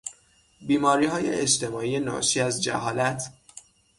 بیماری های اجتماعی ناشی از جهالت